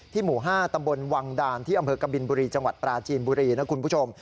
หมู่๕ตำบลวังดานที่อำเภอกบินบุรีจังหวัดปราจีนบุรีนะคุณผู้ชม